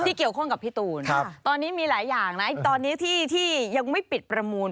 เกี่ยวข้องกับพี่ตูนตอนนี้มีหลายอย่างนะตอนนี้ที่ยังไม่ปิดประมูล